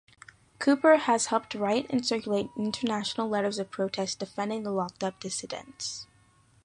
Cooper has helped write and circulate international letters of protest defending the locked-up dissidents.